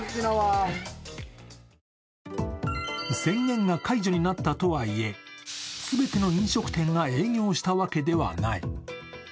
宣言が解除になったとはいえ、全ての飲食店が営業したわけではない。